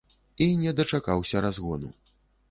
Я не дачакаўся разгону.